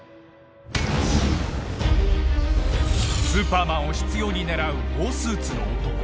スーパーマンを執拗に狙うウォースーツの男